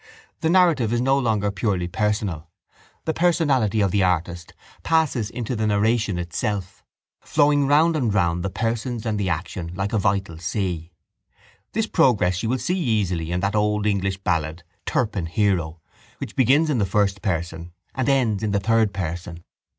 The narrative is no longer purely personal. The personality of the artist passes into the narration itself, flowing round and round the persons and the action like a vital sea. This progress you will see easily in that old English ballad Turpin Hero, which begins in the first person and ends in the third person.